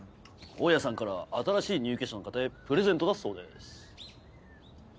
大家さんから新しい入居者の方へプレゼントだそうです。